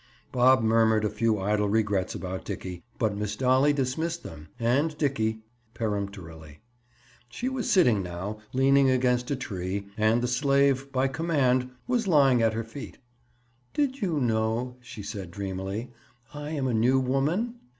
Bob murmured a few idle regrets about Dickie, but Miss Dolly dismissed them—and Dickie—peremptorily. She was sitting now, leaning against a tree and the slave, by command, was lying at her feet. "Did you know," she said dreamily, "I am a new woman?"